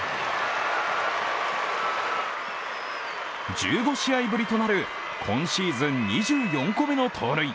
１５試合ぶりとなる今シーズン２４個目の盗塁。